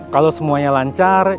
kalo semuanya lancar